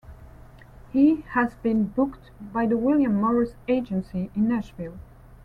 He has been booked by the William Morris Agency in Nashville.